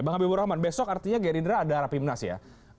bang abie burahman besok artinya gerindra ada rapimnas ya